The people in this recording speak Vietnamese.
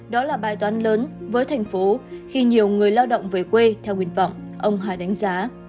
đó là bài toán lớn với thành phố khi nhiều người lao động về quê theo nguyện vọng ông hài đánh giá